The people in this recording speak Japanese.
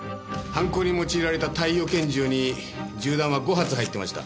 犯行に用いられた貸与拳銃に銃弾は５発入ってました。